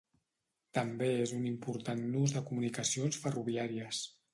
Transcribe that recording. També és un important nus de comunicacions ferroviàries.